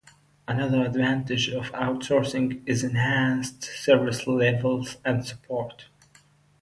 Another advantage of outsourcing is enhanced service levels and support.